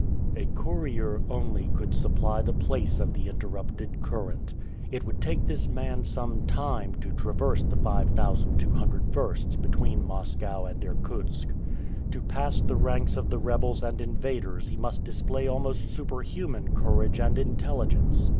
A courier only could supply the place of the interrupted current. It would take this man some time to traverse the five thousand two hundred versts between Moscow and Irkutsk. To pass the ranks of the rebels and invaders he must display almost superhuman courage and intelligence.